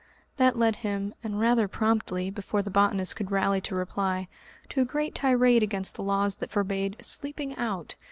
That led him, and rather promptly, before the botanist could rally to reply, to a great tirade against the laws that forbade "sleeping out."